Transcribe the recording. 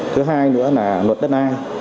thứ hai nữa là luật đất na